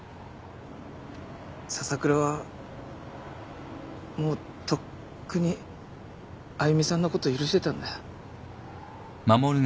笹倉はもうとっくにあゆみさんのこと許してたんだ。